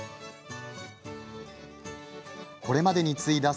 これまでに接いだ